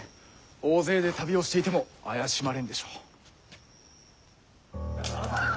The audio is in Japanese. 大勢で旅をしていても怪しまれんでしょう。